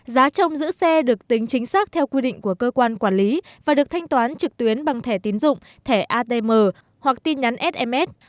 giá trong giữ xe được tính chính xác theo quy định của cơ quan quản lý và được thanh toán trực tuyến bằng thẻ tín dụng thẻ atm hoặc tin nhắn sms